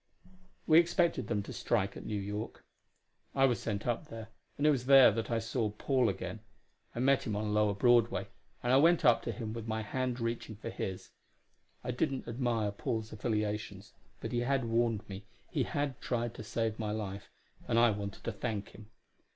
We expected them to strike at New York. I was sent up there, and it was there that I saw Paul again. I met him on lower Broadway, and I went up to him with my hand reaching for his. I didn't admire Paul's affiliations, but he had warned me he had tried to save my life and I wanted to thank him.